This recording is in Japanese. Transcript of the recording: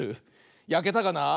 やけたかな。